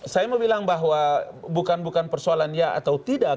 saya mau bilang bahwa bukan bukan persoalan ya atau tidak